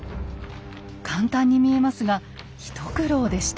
簡単に見えますが一苦労でした。